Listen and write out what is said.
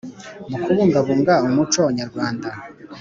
mu kubungabunga umuco nyarwanda